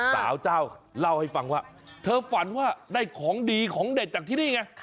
เจ้าเล่าให้ฟังว่าเธอฝันว่าได้ของดีของเด็ดจากที่นี่ไง